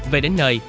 về đến nơi